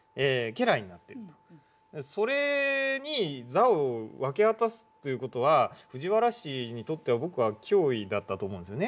それに座を明け渡すという事は藤原氏にとっては僕は脅威だったと思うんですよね。